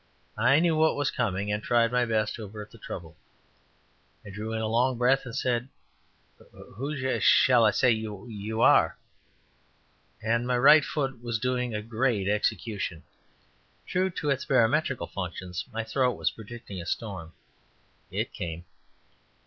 I knew what was coming, and tried my best to avert the trouble. I drew in a long breath and said: "Who sh sh sh all I s s s ay y y y ou are?" and my right foot was doing great execution. True to its barometrical functions, my throat was predicting a storm. It came.